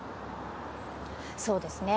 そうですね。